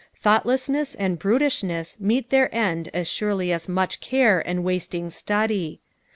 Thoughtlessness and brutishness meet their end as surely aa much care and wasting study.